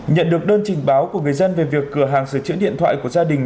nhận được đơn trình báo của người dân về việc cửa hàng sửa chữa điện thoại của gia đình